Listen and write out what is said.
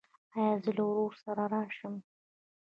ایا زه له ورور سره راشم؟